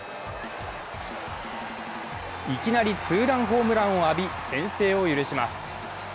いきなりツーランホームランを浴び先制を許します。